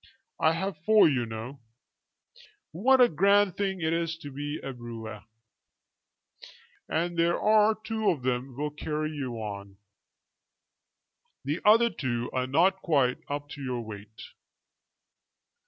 "I have four, you know." "What a grand thing it is to be a brewer!" "And there are two of them will carry you. The other two are not quite up to your weight."